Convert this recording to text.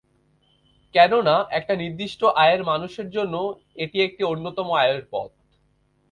কেননা, একটা নির্দিষ্ট আয়ের মানুষের জন্য এটি একটি অন্যতম আয়ের পথ।